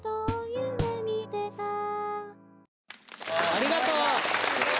ありがとう！